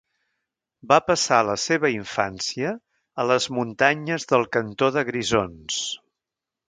Va passar la seva infància a les muntanyes del cantó de Grisons.